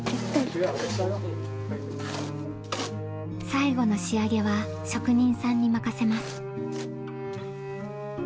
最後の仕上げは職人さんに任せます。